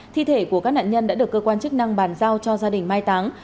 thi thể của các nạn nhân đã được cơ quan chức năng bàn giao cho gia đình mai táng